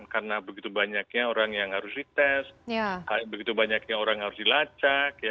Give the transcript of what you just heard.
karena begitu banyaknya orang yang harus dites begitu banyaknya orang yang harus dilacak ya